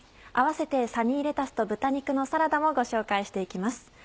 併せて「サニーレタスと豚肉のサラダ」もご紹介して行きます。